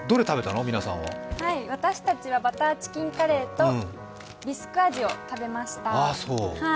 私たちはバターチキンカレーとビスク味を食べました。